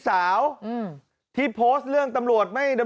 อ้าว